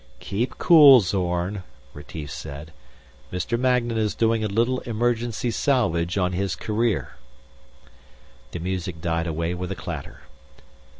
"Keep cool, Zorn," Retief said. "Mr. Magnan is doing a little emergency salvage on his career." The music died away with a clatter.